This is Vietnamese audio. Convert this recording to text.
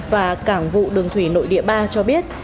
và cảng vụ đường thủy nội địa ba cho biết